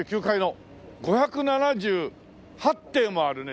５７８邸もあるね